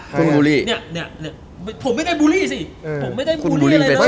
เธอมันบุรี